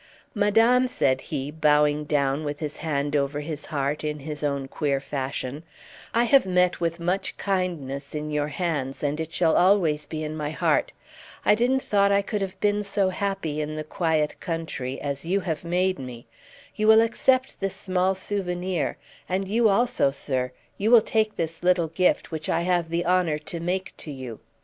"Madame," said he, bowing down with his hand over his heart, in his own queer fashion, "I have met with much kindness in your hands, and it shall always be in my heart. I didn't thought I could have been so happy in the quiet country as you have made me. You will accept this small souvenir; and you also, sir, you will take this little gift, which I have the honour to make to you."